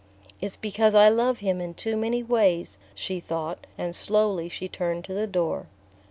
"It's because I love him in too many ways," she thought; and slowly she turned to the door.